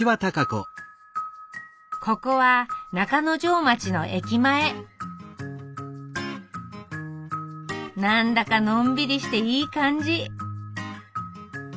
ここは中之条町の駅前何だかのんびりしていい感じ！